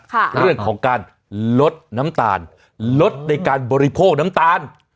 เรื่องของการลดน้ำตาลลดในการบริโภคน้ำตาล